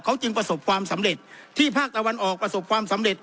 เขาจึงประสบความสำเร็จที่ภาคตะวันออกประสบความสำเร็จ